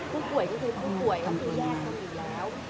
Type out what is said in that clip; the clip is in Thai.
ผู้ป่วยก็คือผู้ป่วยก็คือแยกกันอีกแล้ว